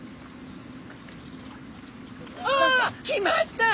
あ来ました！